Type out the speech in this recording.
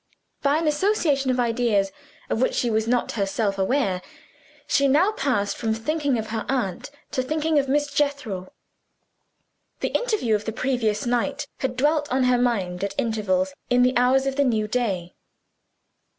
By an association of ideas, of which she was not herself aware, she now passed from thinking of her aunt to thinking of Miss Jethro. The interview of the previous night had dwelt on her mind at intervals, in the hours of the new day.